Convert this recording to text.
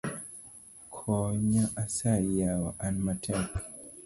Konya asayi yawa, an matek.